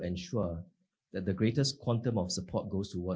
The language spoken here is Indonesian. untuk memastikan kuantum kebijakan yang terbesar